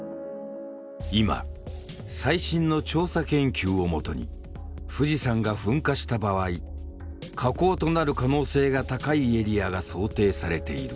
今最新の調査研究をもとに富士山が噴火した場合火口となる可能性が高いエリアが想定されている。